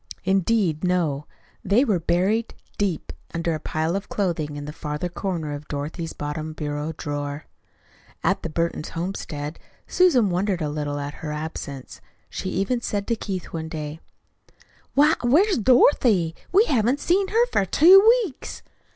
Indeed, no. They were buried deep under a pile of clothing in the farther corner of Dorothy's bottom bureau drawer. At the Burton homestead Susan wondered a little at her absence. She even said to Keith one day: "Why, where's Dorothy? We haven't see her for two weeks."